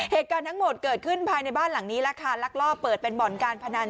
เหตุการณ์ทั้งหมดเกิดขึ้นภายในบ้านหลังนี้แหละค่ะลักลอบเปิดเป็นบ่อนการพนัน